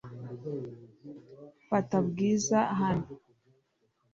Fata Bwiza hano .